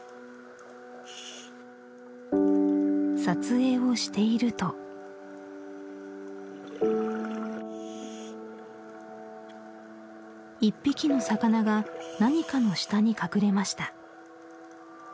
撮影をしていると１匹の魚が何かの下に隠れました